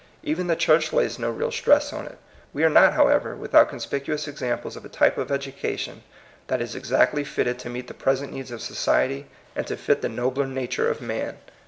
Even the church lays no real stress on it. We are not, however, without conspicuous examples of a type of education that is exactly fitted to meet the present needs of society and to fit the nobler nature of man.